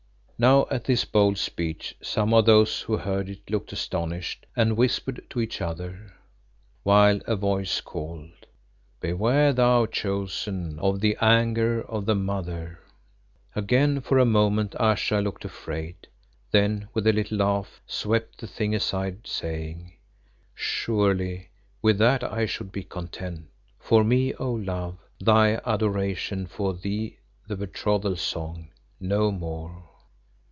Now at this bold speech some of those who heard it looked astonished and whispered to each other, while a voice called "Beware, thou Chosen, of the anger of the Mother!" Again for a moment Ayesha looked afraid, then with a little laugh, swept the thing aside, saying "Surely with that I should be content. For me, O Love, thy adoration for thee the betrothal song, no more."